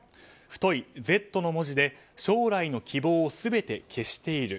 太い「Ｚ」の文字で将来の希望を全て消している。